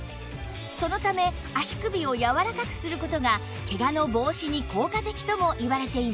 そのため足首をやわらかくする事がケガの防止に効果的ともいわれています